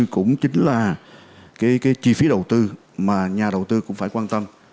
cũng chính là chi phí đầu tư mà nhà đầu tư cũng phải quan tâm